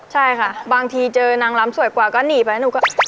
ใช่ค่ะบางทีเจอนางล้ำสวยกว่าก็หนีไปหนูก็